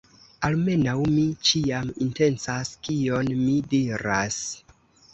Almenaŭ, mi ĉiam intencas kion mi diras.